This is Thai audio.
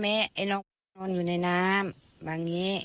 ไอ้น้องนอนอยู่ในน้ำ